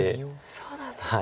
そうなんですか。